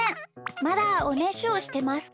まだおねしょしてますか？